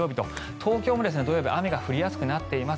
東京も日曜日雨が降りやすくなっています。